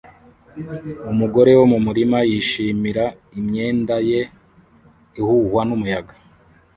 Umugore wo mu murima yishimira imyenda ye ihuhwa n'umuyaga